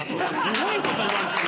すごい事言われてる。